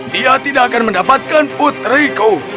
dia tidak akan mendapatkan putriku